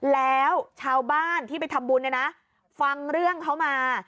แล้วชาวบ้านที่ไปทำบุญเนี่ยนะฟังเรื่องเขามา